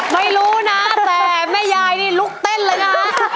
ไม่รู้นะแต่แม่ยายนี่ลุกเต้นเลยนะ